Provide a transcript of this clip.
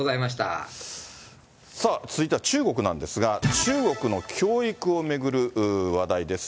さあ、続いては中国なんですが、中国の教育を巡る話題です。